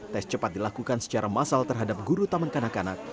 tes cepat dilakukan secara massal terhadap guru taman kanak kanak